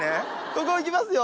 ここいきますよ